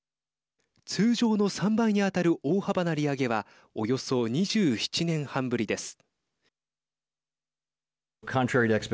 通常の３倍に当たる大幅な利上げはおよそ２７年半ぶりです。